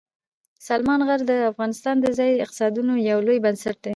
سلیمان غر د افغانستان د ځایي اقتصادونو یو لوی بنسټ دی.